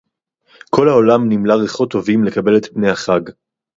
כָּל הָעוֹלָם נִמְלָא רֵיחוֹת טוֹבִים לְקַבֵּל אֶת פְּנֵי הַחַג.